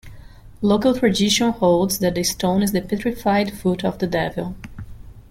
Local tradition holds that the stone is the petrified foot of the devil.